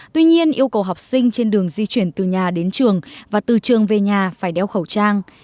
tuy nhiên yêu cầu học sinh trên đường di chuyển từ nhà đến trường và từ trường về nhà phải đeo khẩu trang